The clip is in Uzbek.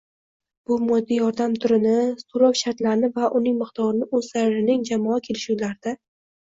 bu moddiy yordam turini, to‘lov shartlarini va uning miqdorini o‘zlarining jamoa kelishuvlarida